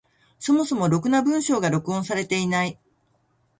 そもそもろくな文章が録音されていない。